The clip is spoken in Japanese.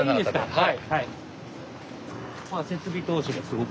はい。